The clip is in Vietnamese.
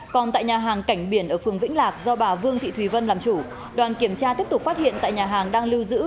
còn tại nhà hàng cảnh biển ở phường vĩnh lạc do bà vương thị thùy vân làm chủ đoàn kiểm tra tiếp tục phát hiện tại nhà hàng đang lưu giữ